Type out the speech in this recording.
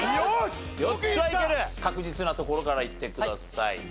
確実なところからいってください。